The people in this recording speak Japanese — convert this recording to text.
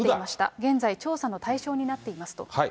現在、調査の対象になっていますと。